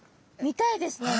見たいですね。